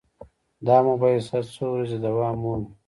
دا مباحثه څو ورځې دوام مومي.